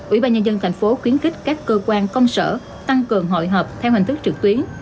ủy ban nhân dân thành phố khuyến khích các cơ quan công sở tăng cường hội họp theo hình thức trực tuyến